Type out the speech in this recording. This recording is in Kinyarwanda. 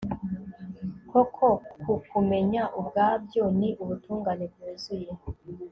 koko kukumenya ubwabyo, ni ubutungane bwuzuye